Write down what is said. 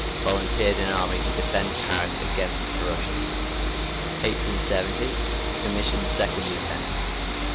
Volunteered in army to defend Paris against Prussians. 1870. Commissioned second lieutenant.